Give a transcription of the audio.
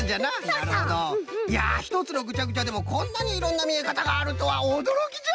いやひとつのぐちゃぐちゃでもこんなにいろんなみえかたがあるとはおどろきじゃ。